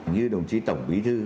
như đồng chí tổng bí thư